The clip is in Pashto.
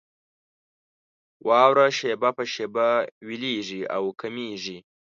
واوره شېبه په شېبه ويلېږي او کمېږي.